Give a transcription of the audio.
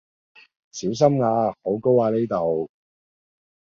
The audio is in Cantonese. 小心呀！好高呀呢度